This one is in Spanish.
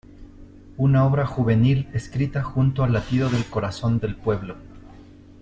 Una obra juvenil escrita junto al latido del corazón del pueblo.